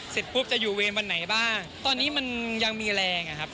เสร็จปุ๊บจะอยู่เวรวันไหนบ้างตอนนี้มันยังมีแรงอ่ะครับ